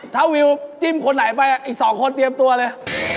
ถ้าวิวจิ้มคนไหนไปอีก๒คนเตรียมตัวเลย